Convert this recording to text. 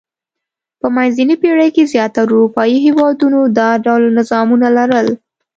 په منځنۍ پېړۍ کې زیاترو اروپايي هېوادونو دا ډول نظامونه لرل.